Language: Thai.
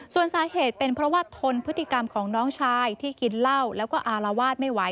ส่วนสาเหตุเป็นเพราะว่าทนพฤติกรรมของน้องชายที่กินเหล้าแล้วก็อารวาสไม่ไหว